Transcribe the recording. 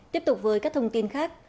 tiếp tục với các thông tin khác